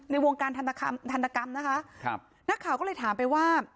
ในวงการทำตำกรรมทำกรรมนะคะครับนักข่าวก็เลยถามไปว่า